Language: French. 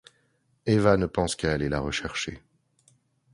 Ewa ne pense qu'à aller la rechercher.